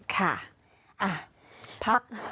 ค่ะอ่ะพัก